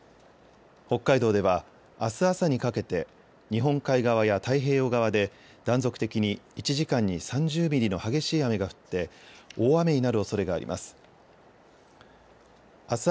北海道ではあす朝にかけて日本海側や太平洋側で断続的に１時間に３０ミリの激しい雨が降って大雨になるおそれがあります。